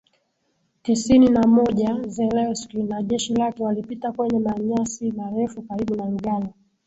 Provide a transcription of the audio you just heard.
tisini na moja Zelewski na jeshi lake walipita kwenye manyasi marefu karibu na Lugalo